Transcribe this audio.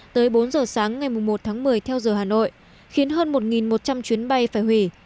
tới bốn giờ sáng ngày một tháng một mươi theo giờ hà nội khiến hơn một một trăm linh chuyến bay phải hủy